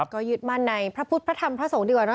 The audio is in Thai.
ก็ยึดมั่นในพระพุทธพระธรรมพระสงฆ์ดีกว่าเนอ